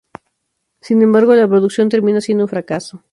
Sin embargo, la producción termina siendo un fracaso.